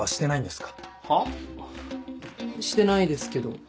してないですけど。